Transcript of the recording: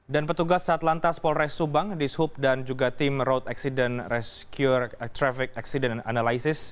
dan petugas saat lantas polres subang di suhub dan juga tim road accident rescue traffic accident analysis